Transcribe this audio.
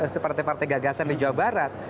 seperti partai gagasan di jawa barat